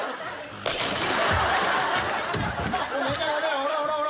ほらほらほら。